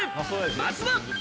まずは。